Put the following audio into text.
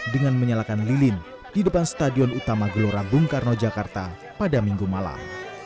dengan menyalakan lilin di depan stadion utama gelora bung karno jakarta pada minggu malam